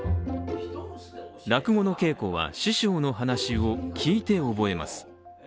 落語の稽古は、師匠の噺を聞いて覚えます。